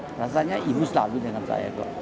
rasanya ibu selalu dengan saya kok